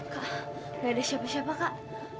kak gak ada siapa siapa kak